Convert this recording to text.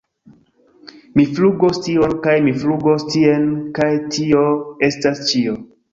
Mi flugos tion... kaj mi flugos tien kaj tio estas ĉio!!